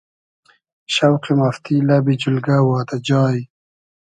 شۆقی مافتی، لئبی جولگۂ وادۂ جای